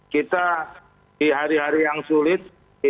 kita di hari hari yang sulit